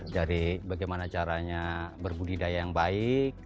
dari bagaimana caranya berbudidaya yang baik